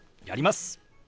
やります。